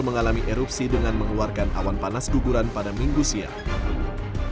mengalami erupsi dengan mengeluarkan awan panas guguran pada minggu siang